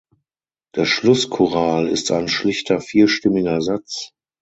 Der Schlusschoral ist ein schlichter vierstimmiger Satz.